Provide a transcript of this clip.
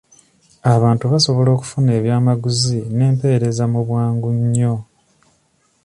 Abantu basobola okufuna ebyamaguzi n'empereza mu bwangu nnyo.